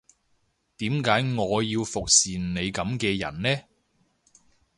點解我要服侍你噉嘅人呢